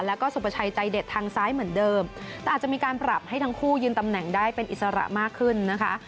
แล้วก็สุประชัยใจเด็ดทางซ้ายเหมือนเดิมแต่อาจจะมีการปรับให้ทั้งคู่ยืนตำแหน่งได้เป็นอิสระมากขึ้นนะคะ